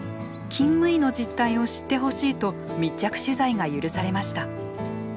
勤務医の実態を知ってほしいと密着取材が許されました。